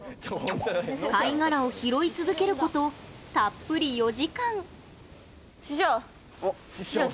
貝殻を拾い続けることたっぷり４時間。